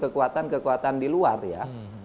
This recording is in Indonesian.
kekuatan kekuatan di luar ya